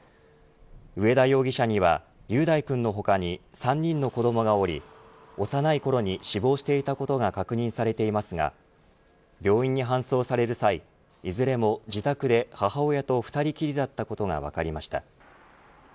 上田容疑者には、雄大君の他に３人の子どもがおり幼いころに死亡していたことが確認されていますが病院に搬送される際いずれも自宅で母親と２人きりだったことが分かりました。